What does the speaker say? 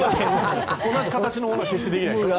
同じ形のものはできないでしょ？